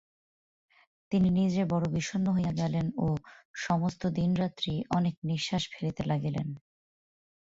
তিনি নিজে বড়ো বিষণ্ন হইয়া গেলেন ও সমস্ত দিন রাত্রি অনেক নিশ্বাস ফেলিতে লাগিলেন।